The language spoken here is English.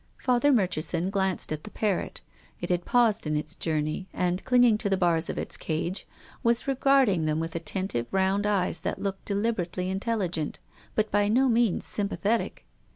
Father Murchison glanced at the parrot. It had paused in its journey, and, clinging to the bars of its cage, was regarding them with attentive round eyes that looked de liberately intelligent, but by no means sympa thetic.